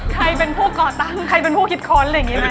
ใครเป็นผู้ก่อตั้งใครเป็นผู้คิดค้นอะไรอย่างนี้ไหม